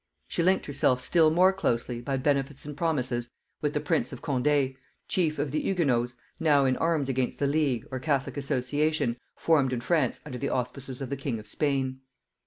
She linked herself still more closely, by benefits and promises, with the prince of Condé, chief of the Hugonots now in arms against the League, or Catholic association, formed in France under the auspices of the king of Spain.